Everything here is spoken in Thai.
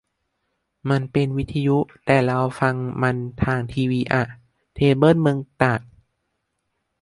มันเป็นวิทยุ แต่เราฟังมันทางทีวีอ่ะ เคเบิลเมืองตาก